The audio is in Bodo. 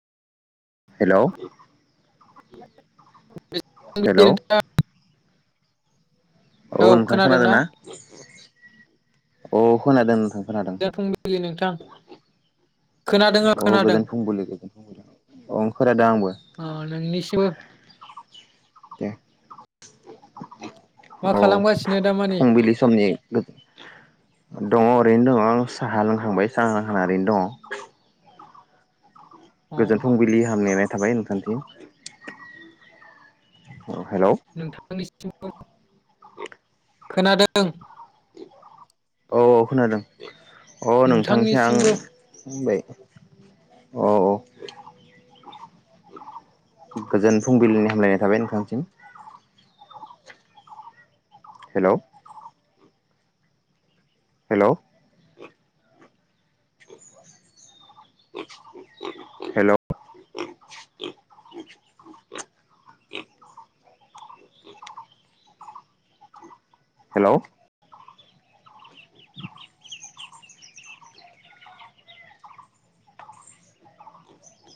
हेलौ फुंबिलि हेलौ नोंथां औ नोंथां खोनादोंना अ खोनादों नोंथां खोनादों फुंबिलि नोंथां खोनादों औ खोनादों गोजोन फुंबिलि गोजोन फुंबिलि ओं खोनादों आंबो नोंनिसिम दे मा औ खालामगासिनो दामानि फुंबिलि समनि दङ ओरैनो दङ आं साहा लोंहांबाय साहा लोंहोनानानैनो दं अ गोजोन फुंबिलि हामनाय थाबाय नोंथांथि हेलौ [unintelligible] खोनादों औ औ खोनादों अ नोंथांथिं आं नोंथांनिसिमबो बुंबाय औ औ गोजोन फुंबिलिनि हामलायनाय थाबाय नोंथांनिसिम हेल हेल हेल' हेल' [unintelligible]